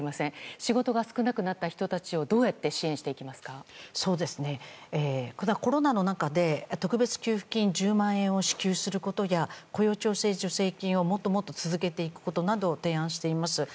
仕事が少なくなった人たちをコロナの中で特別給付金１０万円を支給することや雇用調整助成金をもっともっと続けていくことなどを提案しています。